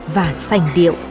và sành điệu